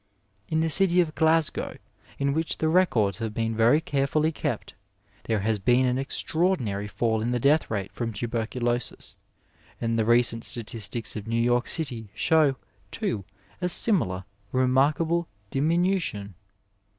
In the city of Glasgow, in which the records have been very carefully kept, there has been an extra ordinary fall in the death rate from tuberculosis, and the recent statistics of New York City show, too, a similar remarkable diminution.